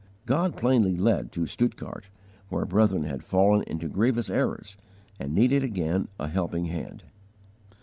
God plainly led to Stuttgart, where brethren had fallen into grievous errors and needed again a helping hand.